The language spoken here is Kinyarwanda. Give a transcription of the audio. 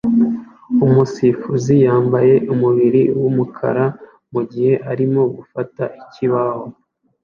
Umusifuzi yambaye umubiri wumukara mugihe arimo gufata ikibaho